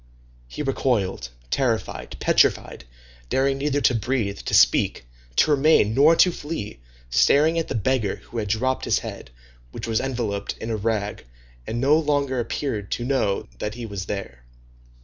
He recoiled, terrified, petrified, daring neither to breathe, to speak, to remain, nor to flee, staring at the beggar who had dropped his head, which was enveloped in a rag, and no longer appeared to know that he was there.